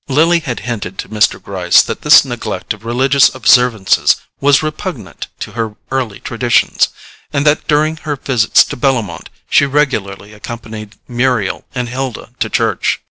Lily had hinted to Mr. Gryce that this neglect of religious observances was repugnant to her early traditions, and that during her visits to Bellomont she regularly accompanied Muriel and Hilda to church.